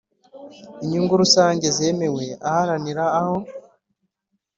Inyungu rusange zemewe aharanira aho